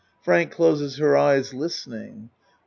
Frank closes her eyes listening.)